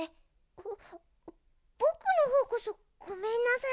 ぼぼくのほうこそごめんなさい。